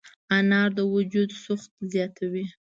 انار د وجود سوخت زیاتوي.